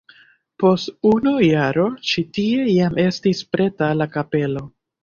Post unu jaro ĉi tie jam estis preta la kapelo.